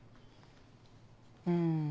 うん。